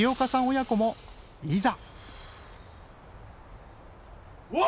親子もいざ！